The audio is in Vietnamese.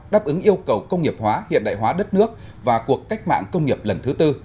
đáp ứng yêu cầu công nghiệp hóa hiện đại hóa đất nước và cuộc cách mạng công nghiệp lần thứ tư